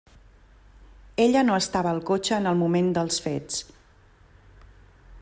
Ella no estava al cotxe en el moment dels fets.